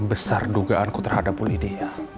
besar dugaanku terhadap bulidia